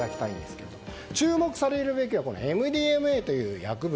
注目されるべきはＭＤＭＡという薬物。